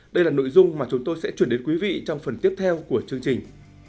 đây là nội dung mà chúng tôi sẽ chuyển đến quý vị trong phần tiếp theo của chương trình